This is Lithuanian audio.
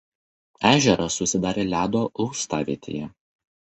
Ežeras susidarė ledo lūstavietėje.